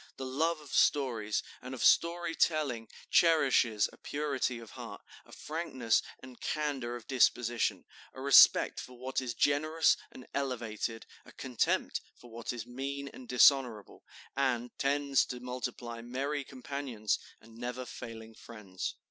The love of stories and of story telling cherishes a purity of heart, a frankness and candor of disposition, a respect for what is generous and elevated, a contempt for what is mean and dishonorable, and tends to multiply merry companions and never failing friends."